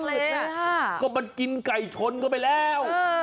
แบบนี้เลยกินไก่ชนเข้าไปแล้ว